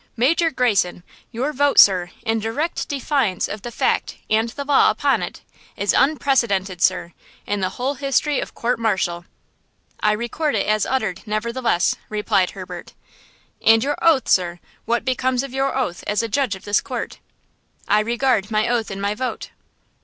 Major Greyson! Your vote, sir, in direct defiance of the fact and the law upon it, is unprecedented, sir, in the whole history of court martial!" "I record it as uttered, nevertheless," replied Herbert. "And your oath, sir! What becomes of your oath as a judge of this court?" "I regard my oath in my vote!"